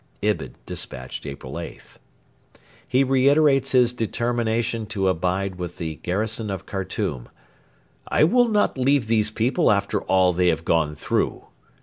[Ibid, despatched April 8.] He reiterates his determination to abide with the garrison of Khartoum. 'I will not leave these people after all they have gone through.'